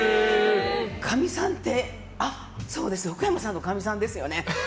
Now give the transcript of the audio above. かみさんってああ、そうですよね福山さんのかみさんですよね